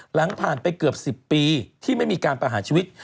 หลังผ่านไปเกือบ๑๐ปีที่ไม่มีการประหารชีวิต